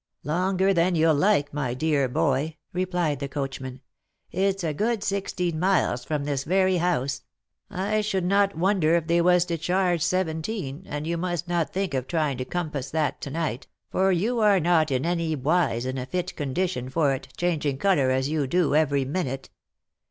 " Longer than you'll like, my dear boy," replied the coachman. " It's a good sixteen miles from this very house ; I should not wonder if they was to charge seventeen, and you must not think of trying to compass that to night, for you are not in any wise in a fit condition for it, changing colour, as you do, every minute.